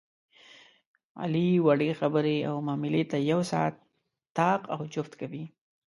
علي وړې خبرې او معاملې ته یو ساعت طاق او جفت کوي.